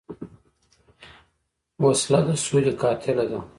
وسله د سولې قاتله ده